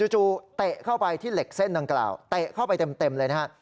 จู่เตะเข้าไปที่เหล็กเส้นดังกล่าวเตะเข้าไปเต็มเลยนะฮะ